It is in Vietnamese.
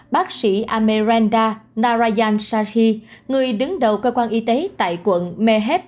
bác sĩ amerenda narayan shahi người đứng đầu cơ quan y tế tại quận meheb